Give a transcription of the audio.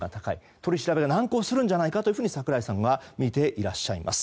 取り調べが難航するんじゃないかと櫻井さんはみていらっしゃいます。